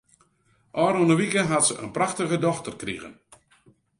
Ofrûne wike hat se in prachtige dochter krigen.